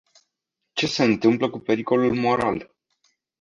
Ce se întâmplă cu pericolul moral?